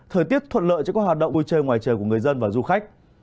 thời tiết thuận lợi cho các hoạt động vui chơi ngoài trời của người dân và du khách